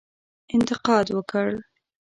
انتقاد وکړ.